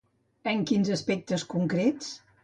En quins aspectes concrets?